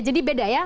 jadi beda ya